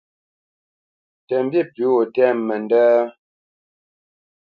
Tə mbî pʉ̌ gho tɛ́mə nəndət?